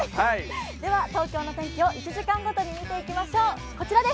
では東京の天気を１時間ごとに見ていきましょう。